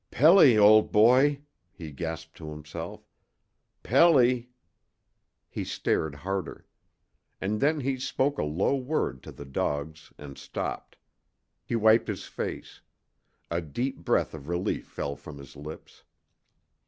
"Pelly, old boy," he gasped to himself. "Pelly " He stared harder. And then he spoke a low word to the dogs and stopped. He wiped his face. A deep breath of relief fell from his lips.